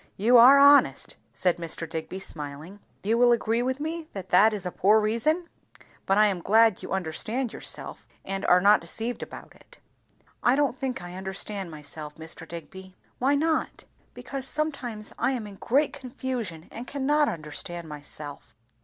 "You are honest," said Mr. Digby smiling. "You will agree with me that that is a poor reason; but I am glad you understand yourself, and are not deceived about it." "I don't think I understand myself, Mr. Digby." "Why not?" "Because, sometimes I am in great confusion, and can not understand myself."